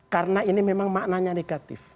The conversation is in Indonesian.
karena ini memang maknanya negatif